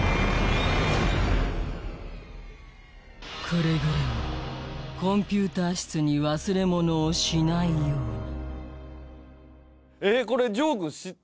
くれぐれもコンピューター室に忘れ物をしないようにえ